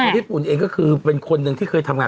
ญี่ปุ่นเองก็คือเป็นคนหนึ่งที่เคยทำงาน